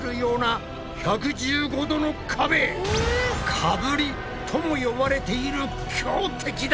「かぶり」とも呼ばれている強敵だ。